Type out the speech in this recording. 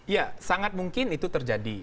ya sangat mungkin itu terjadi